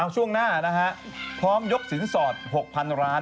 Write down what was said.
ช่วงหน้าพร้อมยกสินสอด๖๐๐๐ล้าน